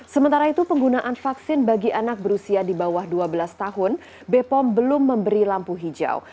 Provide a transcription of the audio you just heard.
sementara itu penggunaan vaksin bagi anak berusia di bawah dua belas tahun bepom belum memberi lampu hijau